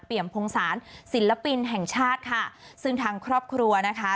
พงศาลศิลปินแห่งชาติค่ะซึ่งทางครอบครัวนะคะ